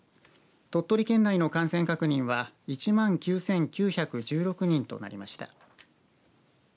鳥取県内の感染確認は１万９９１６人となりました。